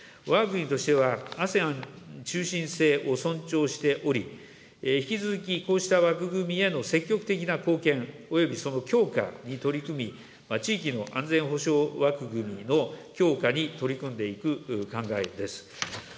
わが国としては、ＡＳＥＡＮ中心性を尊重しており、引き続きこうした枠組みへの積極的な貢献およびその強化に取り組み、地域の安全保障枠組みの強化に取り組んでいく考えです。